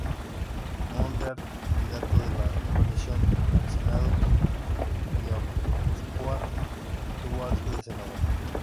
Monreal, candidato de la coalición al Senado por Guipúzcoa, obtuvo acta de senador.